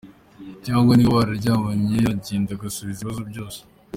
cyangwa niba baba bararyamanye, agenda asubiza ibi bibazo byose.